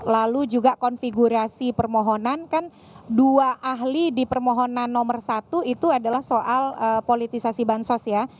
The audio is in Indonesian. lalu juga konfigurasi permohonan kan dua ahli di permohonan nomor satu itu adalah soal politisasi bansos ya